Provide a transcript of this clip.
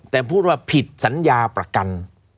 แต่พูดว่าผิดสัญญาประกัน